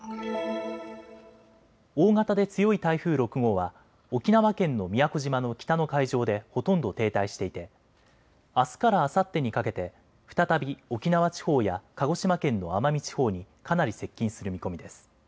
大型で強い台風６号は沖縄県の宮古島の北の海上でほとんど停滞していてあすからあさってにかけて再び沖縄地方や鹿児島県の奄美地方にかなり接近する見込みです。